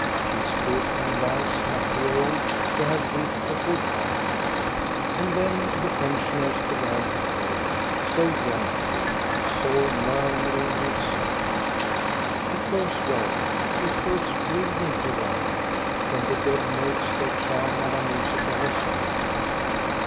She is good and wise like the old who have lived a good life. And then the pensioners began to play, so gently, so murmuringly soft. It goes well, it goes brilliantly well From the dead notes they charm Madame Musica herself.